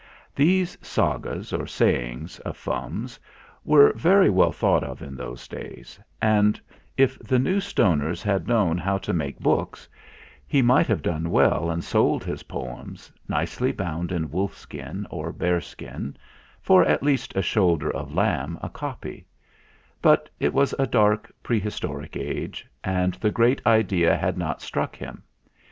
These sagas, or sayings, of Fum's were very well thought of in those days, and if the New Stoners had known how to make books he might have done well and sold his poems, nicely bound in wolf skin or bear skin, for at least a shoulder of lamb a copy; but it was a dark prehistoric age, and the great idea had not struck him.